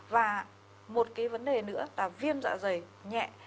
và một cái vấn đề nữa là viêm dạ dày nhẹ